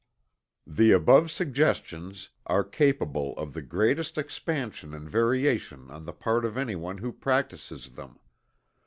The above suggestions are capable of the greatest expansion and variation on the part of anyone who practices them.